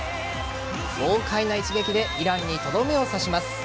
豪快な一撃でイランにとどめを刺します。